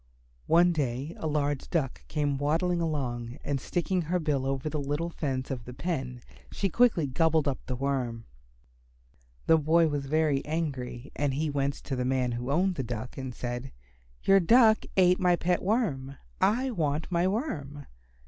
One day a large Duck came waddling along, and sticking her bill over the little fence of the pen she quickly gobbled up the Worm. The boy was very angry and he went to the man who owned the Duck, and said, "Your Duck ate up my pet Worm. I want my Worm."